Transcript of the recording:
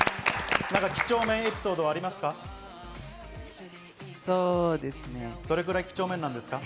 几帳面エピソードはありますか？